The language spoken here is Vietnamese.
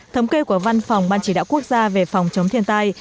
thống kê của văn phòng ban chỉ đạo quốc gia về phòng chống thiên tai